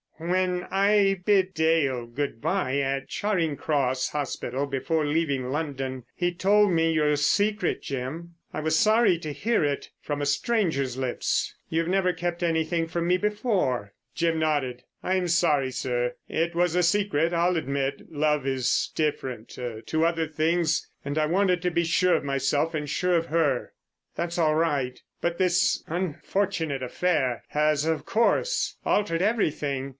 "When I bid Dale good bye at Charing Cross Hospital before leaving London he told me your secret, Jim. I was sorry to hear it from a stranger's lips. You've never kept anything from me before." Jim nodded. "I'm sorry, sir. It was a secret I'll admit. Love is different—to other things, and I wanted to be sure of myself and sure of her." "That's all right. But this unfortunate affair has, of course, altered everything.